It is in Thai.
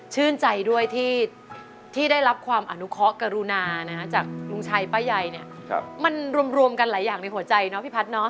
ชื่นใจด้วยที่ได้รับความอนุเคาะกรุณาจากลุงชัยป้าใยเนี่ยมันรวมกันหลายอย่างในหัวใจเนาะพี่พัฒน์